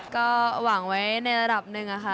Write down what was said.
ก็หวังไว้ในระดับหนึ่งค่ะ